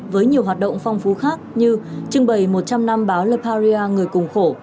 với nhiều hoạt động phong phú khác như trưng bày một trăm linh năm báo leparia người cùng khổ